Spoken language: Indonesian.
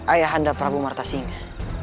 ayah anda prabu martasinya